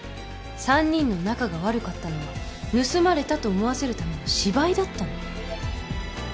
３人の仲が悪かったのは盗まれたと思わせるための芝居だったの。